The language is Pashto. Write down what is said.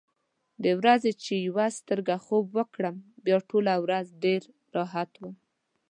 د ورځې چې یوه سترګه خوب وکړم، بیا ټوله ورځ ډېر راحت وم.